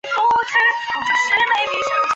中国西藏是世界上盛产硼砂的地方之一。